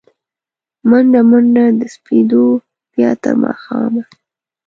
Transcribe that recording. مڼډه، منډه د سپېدو، بیا تر ماښامه